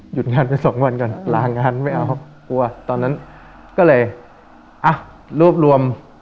หยุดงานไป๒วันก่อนลางานไม่เอากลัวตอนนั้นก็เลยรวบรวม